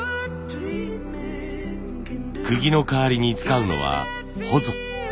くぎの代わりに使うのはほぞ。